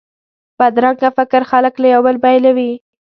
بدرنګه فکر خلک له یو بل بیلوي